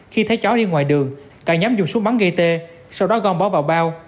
khi thấy chó đi ngoài đường cả nhóm dùng súng bắn gây tê sau đó gom bỏ vào bao